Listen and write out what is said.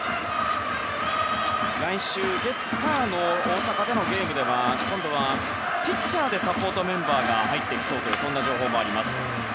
来週月火の大阪でのゲームでは今度は、ピッチャーでサポートメンバーが入ってきそうという情報もあります。